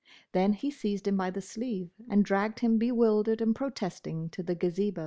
Then he seized him by the sleeve and dragged him bewildered and protesting to the Gazebo.